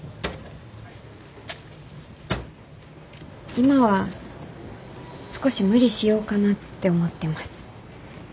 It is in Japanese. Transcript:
今は少し無理しようかなって思ってます。